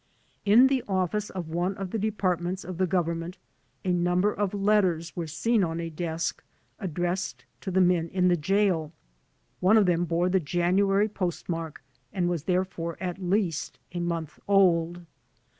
In the office of one of the departments of the govern ment, a number of letters were seen on a desk addressed to the men in the jail. One of them bore the January postmark, and was therefore at least a month old.